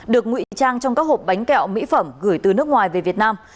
được ngụy trang trong các hộp bánh kẹo mỹ phẩm gửi từ nước ngoài về việt nam